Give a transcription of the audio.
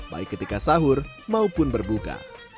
baik ketika sahur maupun berbuka